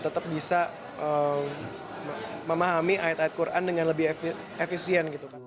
tetap bisa memahami ayat ayat quran dengan lebih efisien